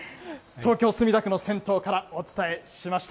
東京・墨田区の銭湯からお伝えしました。